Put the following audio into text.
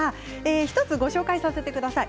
１つご紹介させてください。